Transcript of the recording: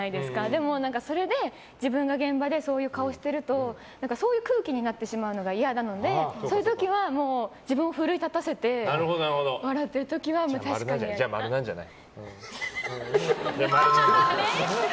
でも、それで自分が現場でそういう顔してるとそういう空気になってしまうのが嫌なのでそういう時は自分を奮い立たせてじゃあ、○なんじゃない？